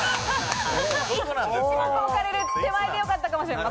一目置かれる手前でよかったかもしれない。